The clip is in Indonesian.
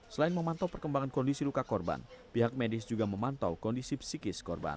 selain memantau perkembangan kondisi luka korban pihak medis juga memantau kondisi psikis korban